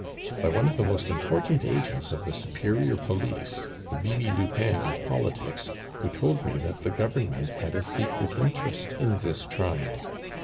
By one of the most important agents of the superior police, the Bibi Lupin of politics, who told me that the Government had a secret interest in this trial.